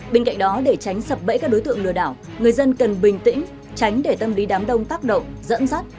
bên cạnh đó để tránh sập bẫy các đối tượng lừa đảo người dân cần bình tĩnh tránh để tâm lý đám đông tác động dẫn dắt